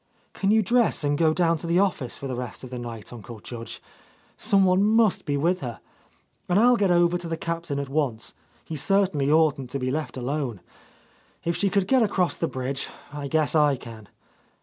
"Can you dress and go down to the office for the rest of the night. Uncle Judge? Some one must be with her. And I'll get over to the Cap tain at once ; he certainly oughtn't to be left alone. If she could get across the bridge, I guess I can.